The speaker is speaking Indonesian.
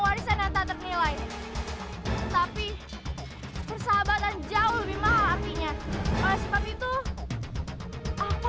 warisan yang tak ternilai tapi persahabatan jauh lebih mahal artinya oleh sebab itu aku